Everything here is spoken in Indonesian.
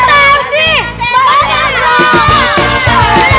kau menangku kau